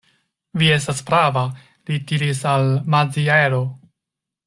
Vi estis prava, li diris al Maziero.